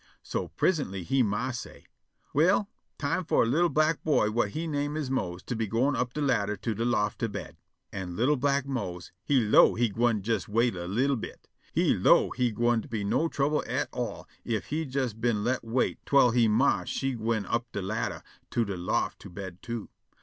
So prisintly he ma say': "Well, time fo' a li'l' black boy whut he name is Mose to be gwine up de ladder to de loft to bed." An' li'l' black Mose he 'low' he gwine wait a bit. He 'low' he gwine jes wait a li'l' bit. He 'low' he gwine be no trouble at all ef he jes been let wait twell he ma she gwine up de ladder to de loft to bed, too.